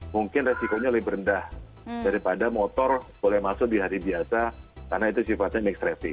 mungkin resikonya lebih rendah daripada motor boleh masuk di hari biasa karena itu sifatnya mixed rating